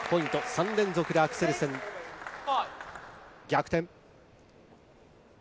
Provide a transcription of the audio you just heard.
３連続でアクセルセン、逆転。